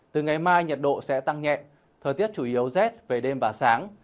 từ ngày mai nhiệt độ sẽ tăng nhẹ thời tiết chủ yếu rét về đêm và sáng